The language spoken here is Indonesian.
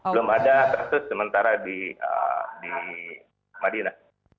belum ada kasus sementara di madinah